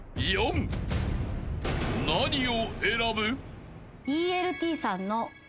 ［何を選ぶ？］